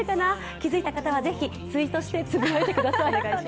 気付いた方はぜひツイートしてつぶやいてください。